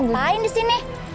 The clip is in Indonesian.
ngapain di sini